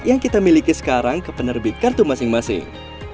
yang kita miliki sekarang ke penerbit kartu masing masing